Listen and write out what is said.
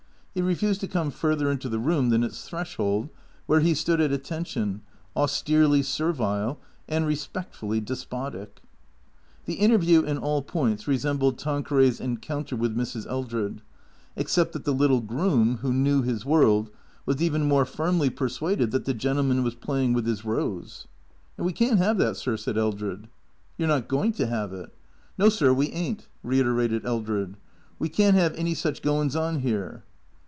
He refused to come further into the room than its threshold, where he stood at attention, austerely servile, and respectfully despotic. The interview in all points resembled Tanqueray's encounter with Mrs. Eldred; except that the little groom, who knew his world, was even more firmly persuaded that the gentleman was playing with his Rose. THBCEEATOES 45 " And we can't 'ave that, sir," said Eldred, " You 're not going to have it." " 'No, sir, we ain't," reiterated Eldred. " We can't 'ave any such goin's on 'ere."